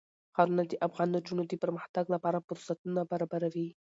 ښارونه د افغان نجونو د پرمختګ لپاره فرصتونه برابروي.